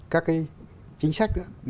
các cái chính sách